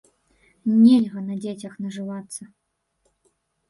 Нельга на дзецях нажывацца.